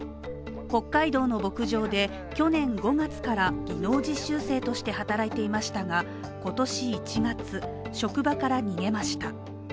北海道の牧場で去年５月から技能実習生として働いていましたが今年１月、職場から逃げました。